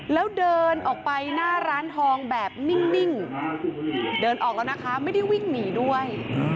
แล้วเดินออกไปหน้าร้านทองแบบนิ่งเดินออกแล้วนะคะไม่ได้วิ่งหนีด้วย